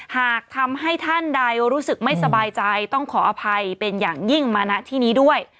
หากทำให้ท่านใดรู้สึกไม่สบายใจต้องขออภัยเป็นอย่างยิ่งมาณที่นี้ด้วย